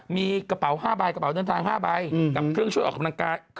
มีกระเป๋า๕ใบกระเป๋าเดินทาง๕ใบกับเครื่องช่วยออกกำลังกาย